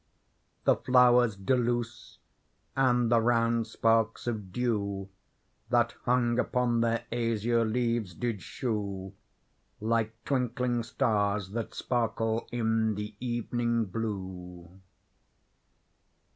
The flowers de luce, and the round sparks of dew That hung upon their azure leaves did shew Like twinkling stars that sparkle in the evening blue.